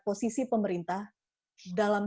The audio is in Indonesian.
posisi pemerintah dalam